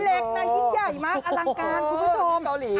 เล็กนะยิ่งใหญ่มากอลังการคุณผู้ชม